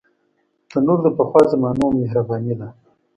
تنور د پخوا زمانو مهرباني ده